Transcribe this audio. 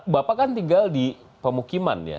bapak kan tinggal di pemukiman ya